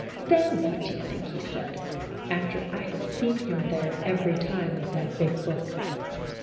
Then what do you think he said (after I had seen him there every time with that big book)?